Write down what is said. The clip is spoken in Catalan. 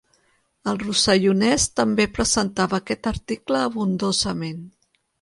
El rossellonès també presentava aquest article abundosament.